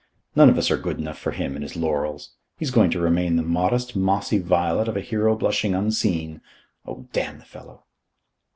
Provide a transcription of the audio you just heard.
None of us are good enough for him and his laurels. He's going to remain the modest mossy violet of a hero blushing unseen. Oh, damn the fellow!"